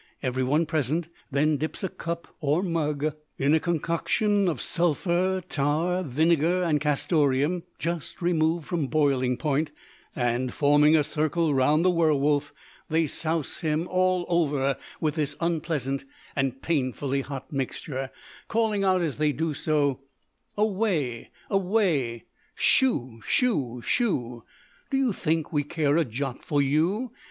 Every one present then dips a cup or mug in a concoction of sulphur, tar, vinegar, and castoreum, just removed from boiling point, and, forming a circle round the werwolf, they souse him all over with this unpleasant and painfully hot mixture, calling out as they do so: "Away, away, shoo, shoo, shoo! Do you think we care a jot for you?